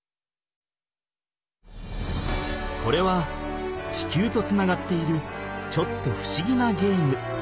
これは地球とつながっているちょっとふしぎなゲーム。